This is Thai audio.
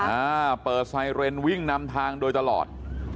อ่าเปิดไซเรนวิ่งนำทางโดยตลอด